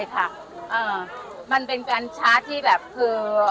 ปิดปากเลยค่ะมันเป็นการชาร์จที่แบบคือ